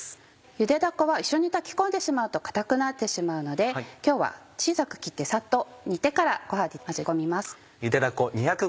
ゆでだこは一緒に炊き込んでしまうと硬くなってしまうので今日は小さく切ってサッと煮てからご飯に混ぜ込みます。